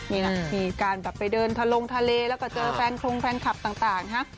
นี่นะมีการไปเดินทะลงทะเลแล้วก็เจอแฟนคลุมแฟนคลับต่าง